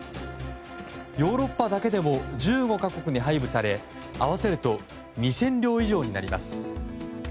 ヨーロッパだけでも１５か国に配備され合わせると２０００両以上になります。